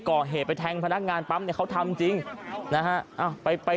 ก่อเหตุไปแทงพนักงานปั๊มเนี่ยเขาทำจริงนะฮะไปไป